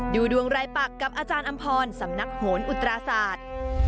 ดูดวงรายปักกับอาจารย์อำพรสำนักโหนอุตราศาสตร์